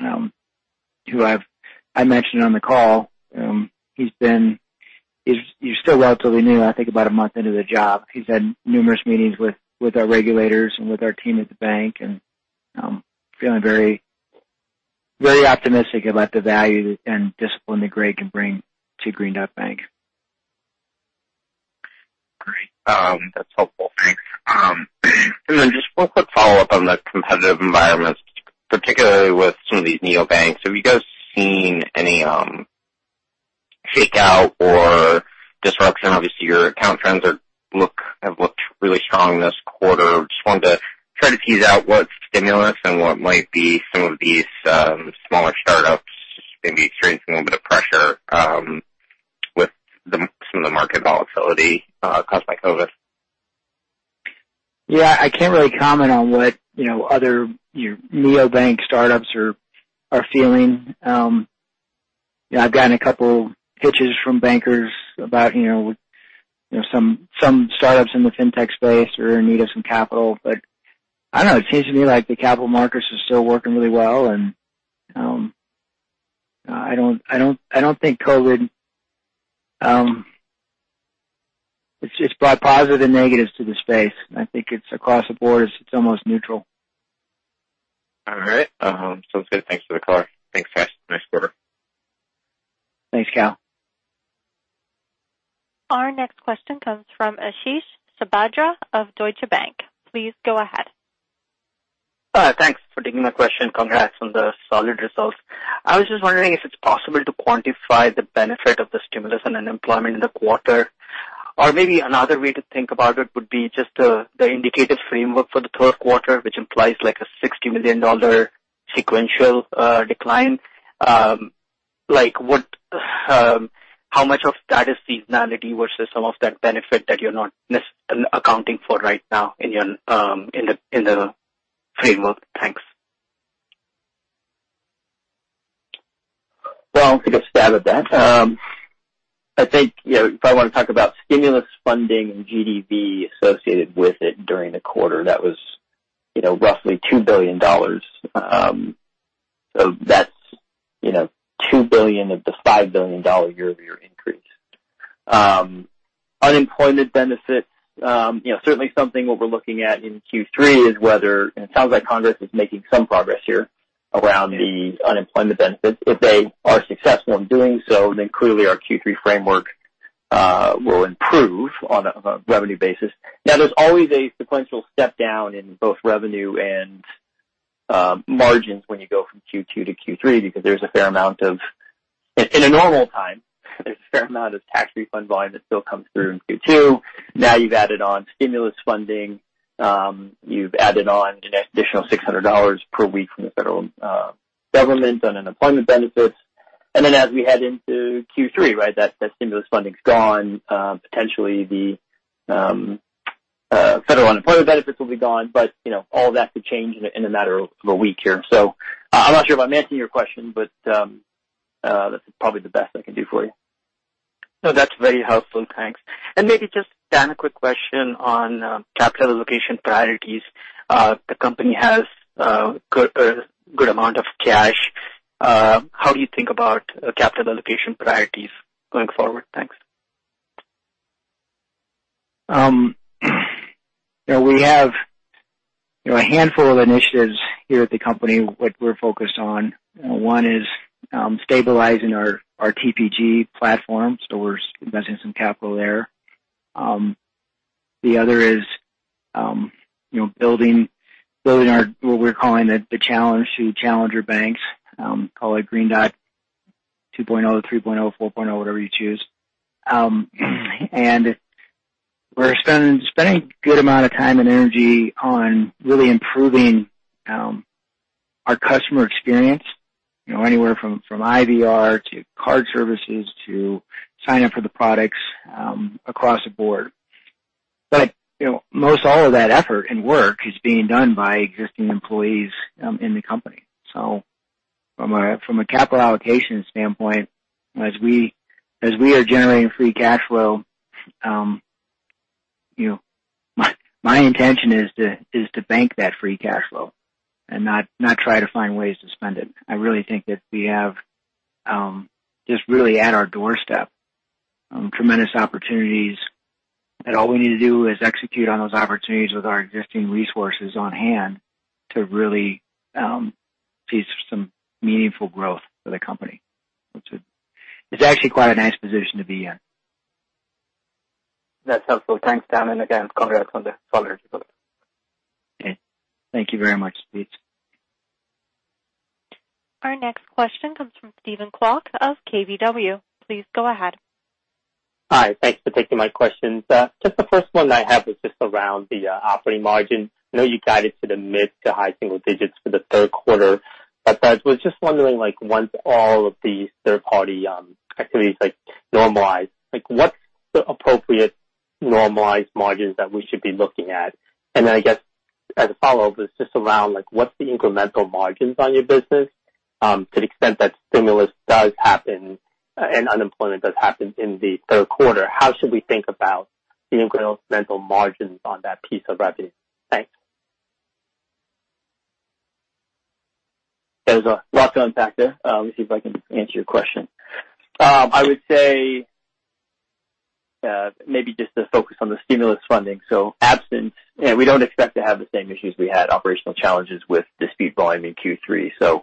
who I mentioned on the call, he's still relatively new. I think about a month into the job. He's had numerous meetings with our regulators and with our team at the bank and feeling very optimistic about the value and discipline that Greg can bring to Green Dot Bank. Great. That's helpful. Thanks. Just real quick follow-up on the competitive environment, particularly with some of these neobanks. Have you guys seen any fake-out or disruption? Obviously, your account trends have looked really strong this quarter. Just wanted to try to tease out what's stimulus and what might be some of these smaller startups maybe experiencing a little bit of pressure with some of the market volatility caused by COVID. Yeah. I can't really comment on what other neobank startups are feeling. I've gotten a couple of pitches from bankers about some startups in the fintech space that are in need of some capital. I don't know. It seems to me like the capital markets are still working really well. I don't think COVID has brought positive and negatives to the space. I think it's across the board, it's almost neutral. All right. Sounds good. Thanks for the call. Thanks, guys. Nice quarter. Thanks, Kyle. Our next question comes from Ashish Sabadra of Deutsche Bank. Please go ahead. Thanks for taking my question. Congrats on the solid results. I was just wondering if it's possible to quantify the benefit of the stimulus on unemployment in the quarter. Or maybe another way to think about it would be just the indicative framework for the third quarter, which implies a $60 million sequential decline. How much of that is seasonality versus some of that benefit that you're not accounting for right now in the framework? Thanks. I'll take a stab at that. I think if I want to talk about stimulus funding and GDV associated with it during the quarter, that was roughly $2 billion. So that's $2 billion of the $5 billion year-over-year increase. Unemployment benefits, certainly something we're looking at in Q3 is whether it sounds like Congress is making some progress here around the unemployment benefits. If they are successful in doing so, then clearly our Q3 framework will improve on a revenue basis. Now, there's always a sequential step down in both revenue and margins when you go from Q2 to Q3 because there's a fair amount of, in a normal time, there's a fair amount of tax refund volume that still comes through in Q2. Now you've added on stimulus funding. You've added on an additional $600 per week from the federal government on unemployment benefits. As we head into Q3, right, that stimulus funding's gone. Potentially, the federal unemployment benefits will be gone, but all that could change in a matter of a week here. I'm not sure if I'm answering your question, but that's probably the best I can do for you. No, that's very helpful. Thanks. Maybe just Dan, a quick question on capital allocation priorities. The company has a good amount of cash. How do you think about capital allocation priorities going forward? Thanks. We have a handful of initiatives here at the company that we're focused on. One is stabilizing our TPG platform. We're investing some capital there. The other is building what we're calling the challenge to challenger banks, call it Green Dot 2.0, 3.0, 4.0, whatever you choose. We're spending a good amount of time and energy on really improving our customer experience anywhere from IVR to card services to sign-up for the products across the board. Most all of that effort and work is being done by existing employees in the company. From a capital allocation standpoint, as we are generating free cash flow, my intention is to bank that free cash flow and not try to find ways to spend it. I really think that we have just really at our doorstep tremendous opportunities. All we need to do is execute on those opportunities with our existing resources on hand to really see some meaningful growth for the company. It's actually quite a nice position to be in. That's helpful. Thanks, Dan. Again, congrats on the solid result. Thank you very much. Our next question comes from Steven Kwok of KBW. Please go ahead. Hi. Thanks for taking my questions. Just the first one I have is just around the operating margin. I know you guided to the mid to high single digits for the third quarter. I was just wondering, once all of these third-party activities normalize, what's the appropriate normalized margins that we should be looking at? I guess as a follow-up, it's just around what's the incremental margins on your business to the extent that stimulus does happen and unemployment does happen in the third quarter? How should we think about the incremental margins on that piece of revenue? Thanks. There's a lot going back there. Let me see if I can answer your question. I would say maybe just to focus on the stimulus funding. Absence. We don't expect to have the same issues we had, operational challenges with dispute volume in Q3.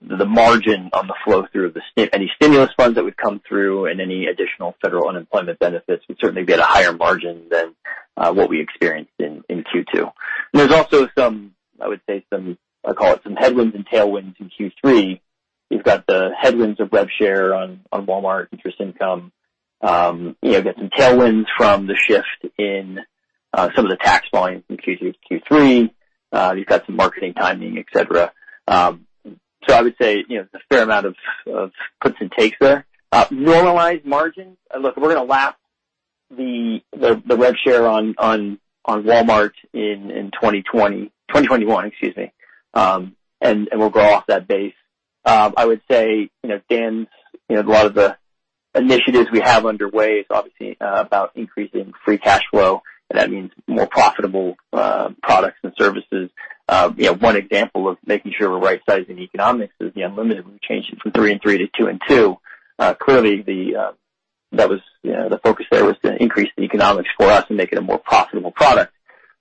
The margin on the flow through of any stimulus funds that would come through and any additional federal unemployment benefits, we'd certainly be at a higher margin than what we experienced in Q2. I would say, I call it some headwinds and tailwinds in Q3. You've got the headwinds of rev share on Walmart, interest income. You get some tailwinds from the shift in some of the tax volume from Q2 to Q3. You've got some marketing timing, etc. I would say there's a fair amount of puts and takes there. Normalized margins. Look, we're going to lap the rev share on Walmart in 2020, 2021, excuse me. And we'll grow off that base. I would say, Steven, a lot of the initiatives we have underway is obviously about increasing free cash flow. That means more profitable products and services. One example of making sure we're right-sizing economics is the Unlimited. We've changed it from three and three to two and two. Clearly, the focus there was to increase the economics for us and make it a more profitable product.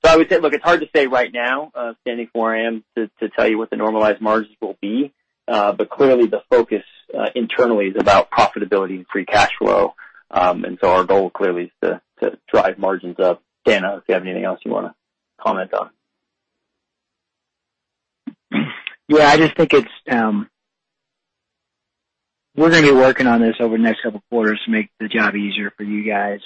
I would say, look, it's hard to say right now, standing where I am, to tell you what the normalized margins will be. Clearly, the focus internally is about profitability and free cash flow. Our goal clearly is to drive margins up. Dan, if you have anything else you want to comment on. Yeah. I just think we're going to be working on this over the next couple of quarters to make the job easier for you guys.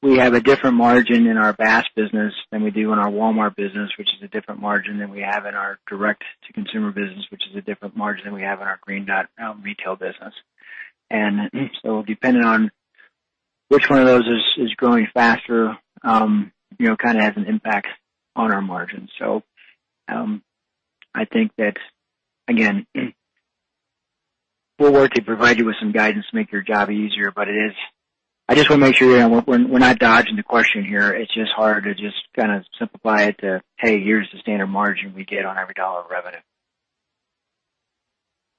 We have a different margin in our BaaS business than we do in our Walmart business, which is a different margin than we have in our direct-to-consumer business, which is a different margin than we have in our Green Dot retail business. Depending on which one of those is growing faster kind of has an impact on our margins. I think that, again, we'll work to provide you with some guidance to make your job easier, but I just want to make sure we're not dodging the question here. It's just hard to just kind of simplify it to, "Hey, here's the standard margin we get on every dollar of revenue.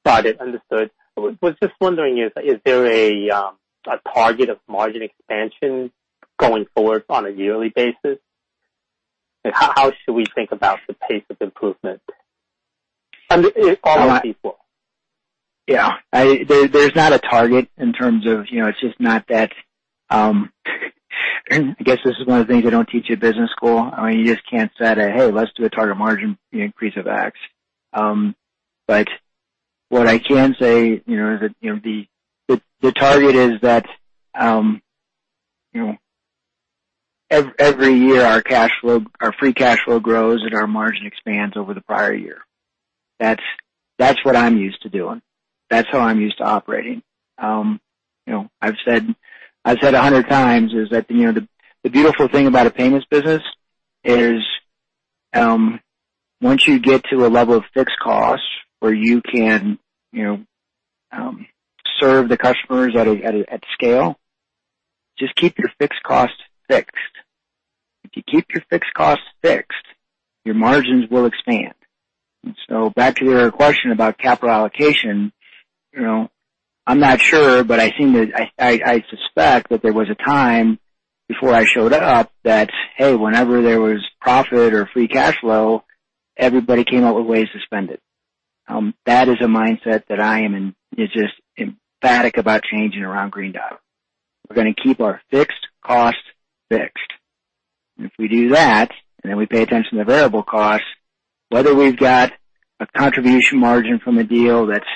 Got it. Understood. I was just wondering, is there a target of margin expansion going forward on a yearly basis? How should we think about the pace of improvement? All of these four. Yeah. There's not a target in terms of it's just not that I guess this is one of the things they don't teach at business school. I mean, you just can't say, "Hey, let's do a target margin increase of x." What I can say is that the target is that every year our free cash flow grows and our margin expands over the prior year. That's what I'm used to doing. That's how I'm used to operating. I've said 100x is that the beautiful thing about a payments business is once you get to a level of fixed costs where you can serve the customers at scale, just keep your fixed costs fixed. If you keep your fixed costs fixed, your margins will expand. Back to your question about capital allocation, I'm not sure, but I suspect that there was a time before I showed up that, "Hey, whenever there was profit or free cash flow, everybody came up with ways to spend it." That is a mindset that I am just emphatic about changing around Green Dot. We're going to keep our fixed costs fixed. If we do that and then we pay attention to variable costs, whether we've got a contribution margin from a deal that's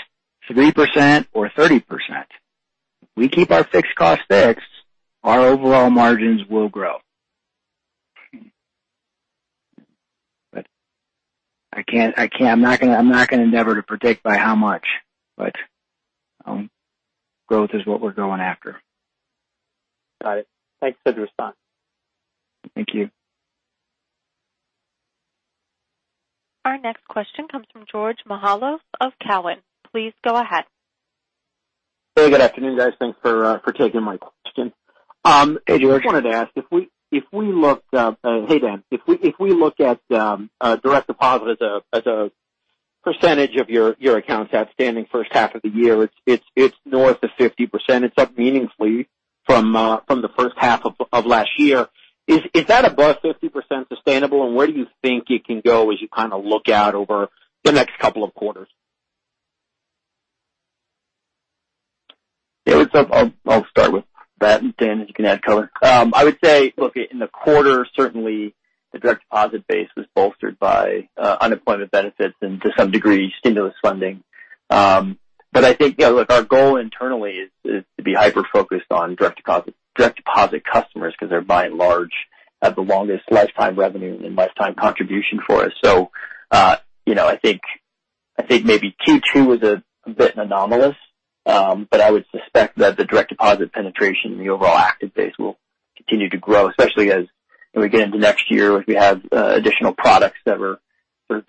3% or 30%, if we keep our fixed costs fixed, our overall margins will grow. I'm not going to endeavor to predict by how much, but growth is what we're going after. Got it. Thanks for the response. Thank you. Our next question comes from George Mihalos of Cowen. Please go ahead. Hey, good afternoon, guys. Thanks for taking my question. Hey, George. I just wanted to ask, if we looked at—hey, Dan—if we look at direct deposit as a percentage of your accounts outstanding first half of the year, it's north of 50%. It's up meaningfully from the first half of last year. Is that above 50% sustainable? And where do you think it can go as you kind of look out over the next couple of quarters? Yeah. I'll start with that, Dan, and you can add color. I would say, look, in the quarter, certainly the direct deposit base was bolstered by unemployment benefits and, to some degree, stimulus funding. I think our goal internally is to be hyper-focused on direct deposit customers because they're, by and large, the longest lifetime revenue and lifetime contribution for us. I think maybe Q2 was a bit anomalous. I would suspect that the direct deposit penetration and the overall active base will continue to grow, especially as we get into next year as we have additional products that were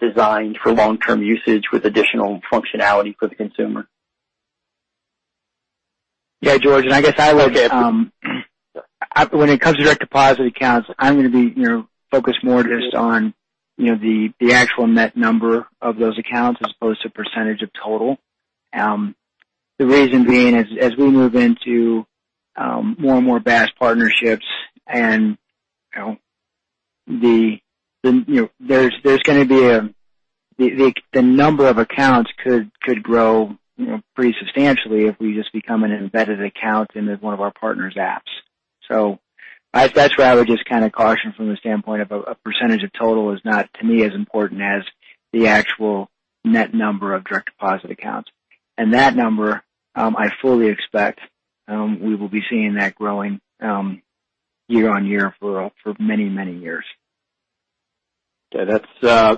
designed for long-term usage with additional functionality for the consumer. Yeah, George. I guess when it comes to direct deposit accounts, I'm going to be focused more just on the actual net number of those accounts as opposed to percentage of total. The reason being, as we move into more and more BaaS partnerships and there's going to be a—the number of accounts could grow pretty substantially if we just become an embedded account in one of our partners' apps. That's where I would just kind of caution from the standpoint of a percentage of total is not, to me, as important as the actual net number of direct deposit accounts. That number, I fully expect we will be seeing that growing year on year for many, many years. Yeah.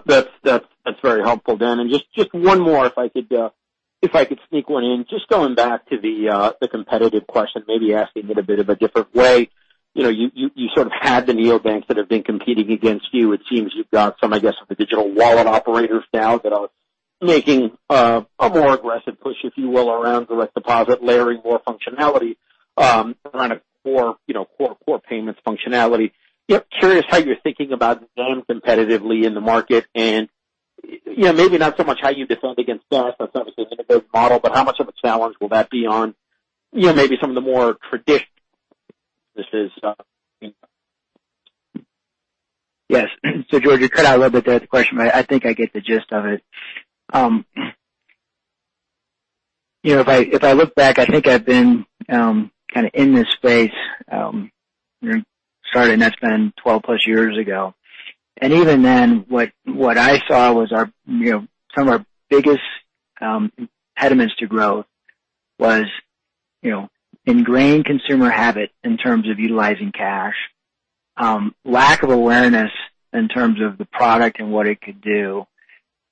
That's very helpful, Dan. Just one more, if I could sneak one in. Just going back to the competitive question, maybe asking it a bit of a different way. You sort of had the neobanks that have been competing against you. It seems you've got some, I guess, of the digital wallet operators now that are making a more aggressive push, if you will, around direct deposit, layering more functionality around core payments functionality. Curious how you're thinking about them competitively in the market. Maybe not so much how you defend against BaaS, that's obviously an integrated model, but how much of a challenge will that be on maybe some of the more traditional businesses? Yes. George, you cut out a little bit there at the question, but I think I get the gist of it. If I look back, I think I've been kind of in this space starting—that's been 12+ years ago. Even then, what I saw was some of our biggest impediments to growth was ingrained consumer habit in terms of utilizing cash, lack of awareness in terms of the product and what it could do,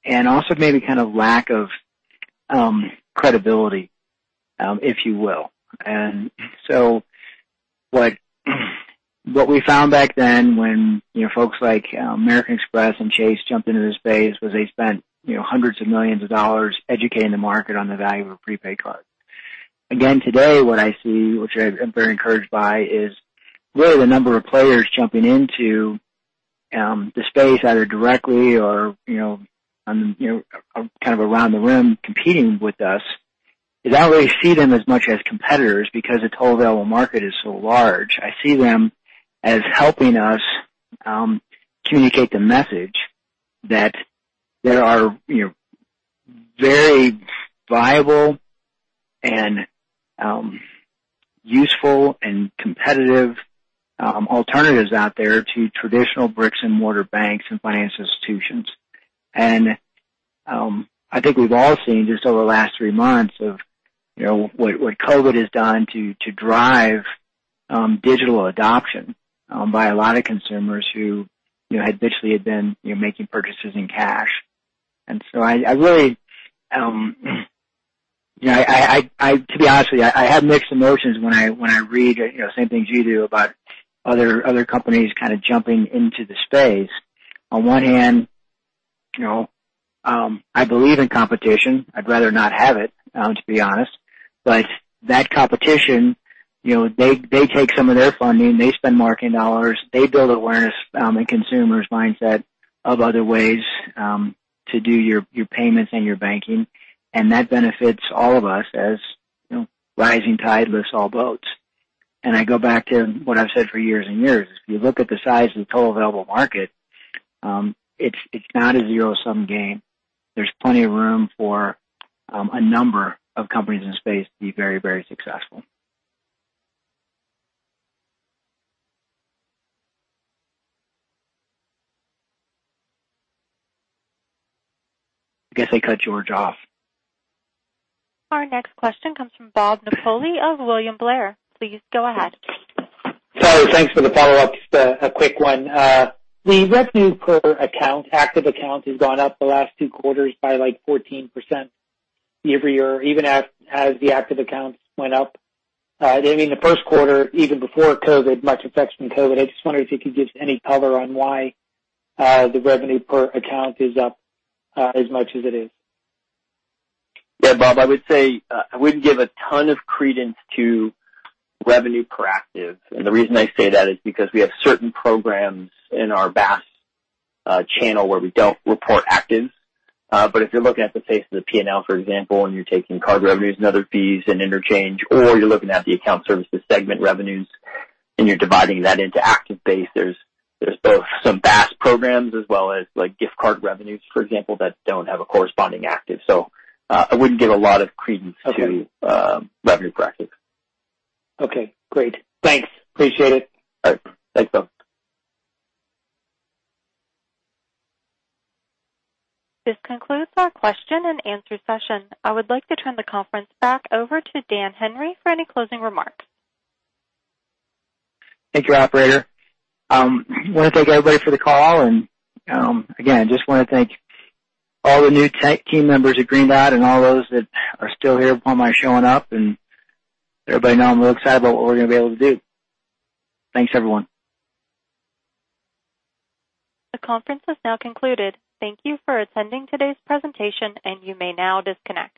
and also maybe kind of lack of credibility, if you will. What we found back then when folks like American Express and Chase jumped into the space was they spent hundreds of millions of dollars educating the market on the value of a prepaid card. Again, today, what I see, which I'm very encouraged by, is really the number of players jumping into the space either directly or kind of around the room competing with us. I don't really see them as much as competitors because the total available market is so large. I see them as helping us communicate the message that there are very viable and useful and competitive alternatives out there to traditional bricks-and-mortar banks and finance institutions. I think we've all seen just over the last three months what COVID has done to drive digital adoption by a lot of consumers who had literally been making purchases in cash. I really—to be honest with you, I have mixed emotions when I read the same things you do about other companies kind of jumping into the space. On one hand, I believe in competition. I'd rather not have it, to be honest. That competition, they take some of their funding. They spend marketing dollars. They build awareness in consumers' mindset of other ways to do your payments and your banking. That benefits all of us as a rising tide lifts all boats. I go back to what I've said for years and years. If you look at the size of the total available market, it's not a zero-sum game. There's plenty of room for a number of companies in the space to be very, very successful. I guess I cut George off. Our next question comes from Bob Napoli of William Blair. Please go ahead. Thanks for the follow-up. Just a quick one. The revenue per account, active account, has gone up the last two quarters by like 14% every year, even as the active accounts went up. I mean, the first quarter, even before COVID, much affects from COVID. I just wondered if you could give any color on why the revenue per account is up as much as it is. Yeah, Bob. I would say I would not give a ton of credence to revenue per active. The reason I say that is because we have certain programs in our BaaS channel where we do not report actives. If you are looking at the face of the P&L, for example, and you are taking card revenues and other fees and interchange, or you are looking at the account services segment revenues and you are dividing that into active base, there are both some BaaS programs as well as gift card revenues, for example, that do not have a corresponding active. I would not give a lot of credence to revenue per active. Okay. Great. Thanks. Appreciate it. All right. Thanks, Bob. This concludes our question and answer session. I would like to turn the conference back over to Dan Henry for any closing remarks. Thank you, operator. I want to thank everybody for the call. I just want to thank all the new team members at Green Dot and all those that are still here while I'm showing up. Everybody knows I'm real excited about what we're going to be able to do. Thanks, everyone. The conference has now concluded. Thank you for attending today's presentation, and you may now disconnect.